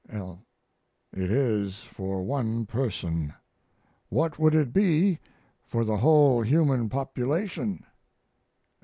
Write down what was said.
L. It is for one person. What would it be for the whole human population?